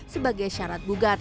sebagai syarat gugatan